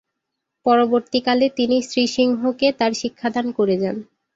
পরবর্তীকালে তিনি শ্রী সিংহকে তার শিক্ষাদান করে যান।